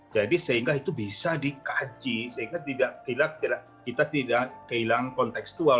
jadi sehingga itu bisa dikaji sehingga kita tidak kehilang kontekstual